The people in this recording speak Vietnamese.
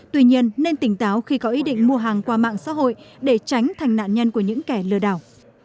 tuy nhiên nên tỉnh táo khi có ý định mua hàng qua mạng xã hội để tránh thành nạn nhân của những kẻ lừa đảo